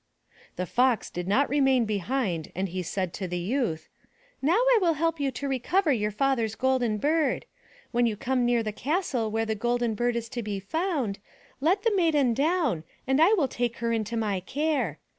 The Fox did not remain behind and he said to the youth, "Now I will help you to recover your father's Golden Bird. When you come near the castle where the Golden Bird is to be found, let the Maiden down and I will take her into my care.